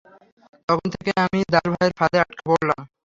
তখন থেকে আমি দাস ভাইয়ের ফাঁদে আটকা পড়লাম।